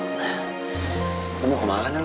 daripada memperjuangkan cita kami